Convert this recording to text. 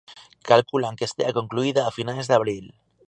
Calculan que estea concluída a finais de abril.